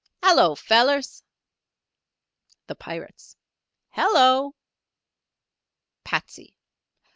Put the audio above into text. _ "Hallo, fellers." The Pirates. "Hello!" _Patsey.